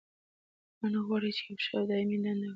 پاڼه غواړي چې یوه ښه او دایمي دنده ولري.